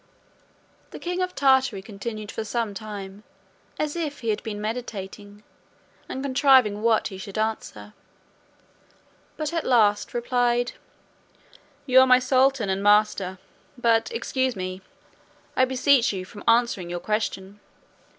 The king of Tartary continued for some time as if he had been meditating and contriving what he should answer; but at last replied, "You are my sultan and master; but excuse me, I beseech you, from answering your question."